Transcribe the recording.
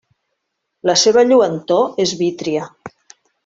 La seva lluentor és vítria.